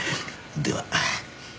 では。